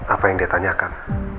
apa yang dia tanyakan